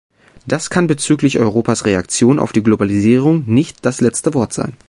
Das kann bezüglich Europas Reaktion auf die Globalisierung nicht das letzte Wort sein.